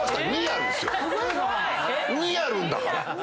２あるんだから。